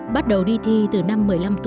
bắt đầu đi thi từ năm một mươi chín